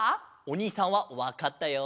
おにいさんはわかったよ。